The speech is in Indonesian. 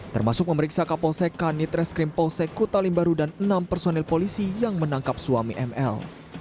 termasuk memeriksa kapolsek kanit reskrim polsek kutalimbaru dan enam personil polisi yang menangkap suami ml